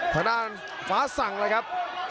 ทางด้านฟ้าสั่งเลยครับ